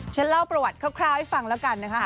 เล่าประวัติคร่าวให้ฟังแล้วกันนะคะ